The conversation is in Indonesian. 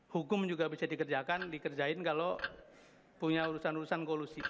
hukum juga bisa dikerjakan dikerjain kalau punya urusan urusan kolusi